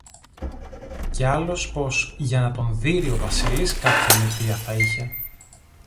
Και άλλος πως «για να τον δείρει ο Βασίλης, κάποιαν αιτία θα είχε».